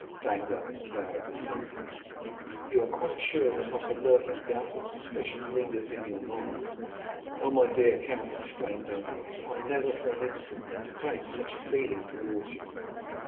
Danglars bowed assentingly. "You are quite sure that not a lurking doubt or suspicion lingers in your mind?" "Oh, my dear count," exclaimed Danglars, "I never for an instant entertained such a feeling towards you."